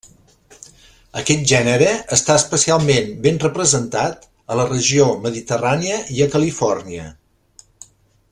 Aquest gènere està especialment ben representat a la regió mediterrània i a Califòrnia.